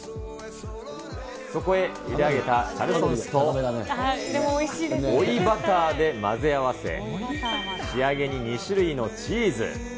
そこへゆで上げたチャルソンスと、追いバターで混ぜ合わせ、仕上げに２種類のチーズ。